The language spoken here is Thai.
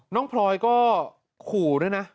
น้องพลอยก็ขู่ด้วยนะ